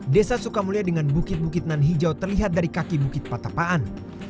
desa sukamulia dengan bukit bukit nan hijau terlihat dari kaki bukit patapaan